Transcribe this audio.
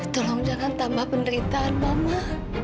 tolong jangan tambah penderitaan mama